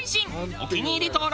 お気に入り登録